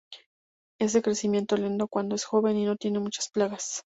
Es de crecimiento lento cuando es joven, y no tiene muchas plagas.